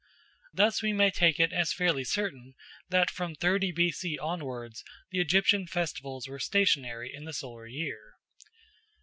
Thus we may take it as fairly certain that from 30 B.C. onwards the Egyptian festivals were stationary in the solar year.